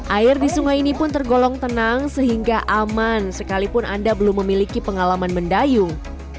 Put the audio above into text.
air di sungai ini pun tergolong tenang sehingga aman sekalipun anda belum memiliki pengalaman mendayung